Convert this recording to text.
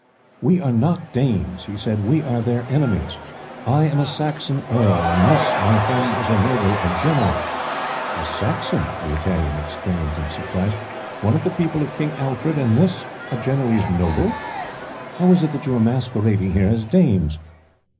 "We are not Danes," he said; "we are their enemies, I am a Saxon earl, and this my friend is a noble of Genoa." "A Saxon!" the Italian exclaimed in surprise; "one of the people of King Alfred, and this a Genoese noble! How is it that you are masquerading here as Danes?"